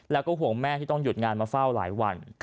แล้วก็ห่วงแม่ที่ต้องหยุดงานมาเฝ้าหลายวัน